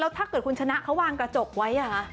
ถ้าเกิดคุณชนะเขาวางกระจกไว้